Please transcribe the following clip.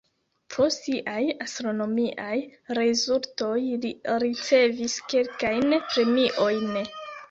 Pro siaj astronomiaj rezultoj li ricevis kelkajn premiojn.